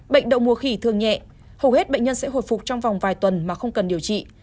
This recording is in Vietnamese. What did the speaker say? bệnh đậu mùa khỉ thường nhẹ hầu hết bệnh nhân sẽ hồi phục trong vòng vài tuần mà không cần điều trị